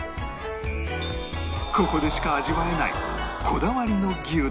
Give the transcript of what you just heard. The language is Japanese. ここでしか味わえないこだわりの牛丼